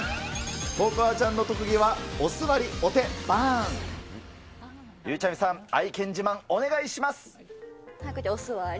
心愛ちゃんの特技はお座り、お手、ゆいちゃみさん、愛犬自慢、お座り。